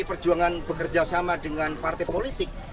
pdi perjuangan bekerjasama dengan partai politik